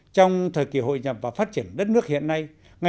trong thời kỳ hội nhập và phát triển đất nước hiện nay